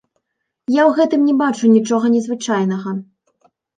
Я ў гэтым не бачу нічога незвычайнага.